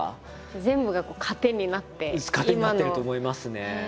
全部が糧になって今の。糧になってると思いますね。